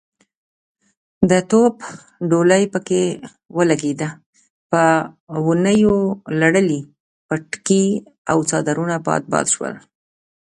د توپ ډولۍ پکې ولګېده، په ونيو لړلي پټکي او څادرونه باد باد شول.